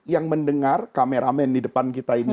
yang mendengar kameramen di depan kita ini